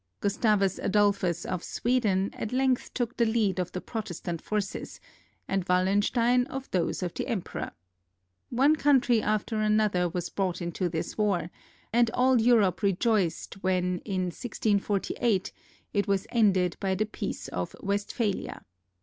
Gustavus Adolphus of Sweden at length took the lead of the Protestant forces, and Wallenstein of those of the Emperor. One country after an other was brought into this war, and all Europe rejoiced when, in 1648, it was ended by the Peace of Westphalia.